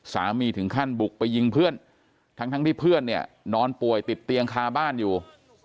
ถึงขั้นบุกไปยิงเพื่อนทั้งที่เพื่อนเนี่ยนอนป่วยติดเตียงคาบ้านอยู่